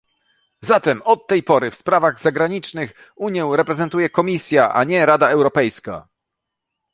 Zatem od tej pory w sprawach zagranicznych Unię reprezentuje Komisja, a nie Rada Europejska